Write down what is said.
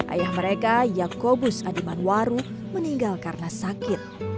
ayah mereka yakobus adimanwaru meninggal karena sakit